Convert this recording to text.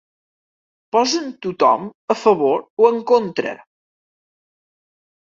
Posen tothom a favor o en contra.